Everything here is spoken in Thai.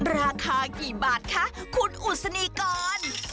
ราคากี่บาทคะคุณอุศนีกร